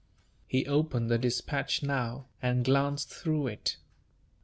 He opened the despatch now, and glanced through it.